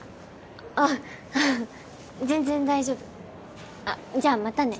あ全然大丈夫じゃあまたね